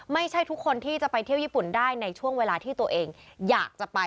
ไม่ใช่ทุกคนที่จะไปเที่ยวญี่ปุ่นได้ในช่วงเวลาที่ตัวเองอยากจะไป